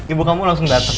ibu kamu langsung dateng